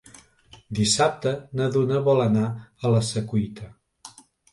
Dissabte na Duna vol anar a la Secuita.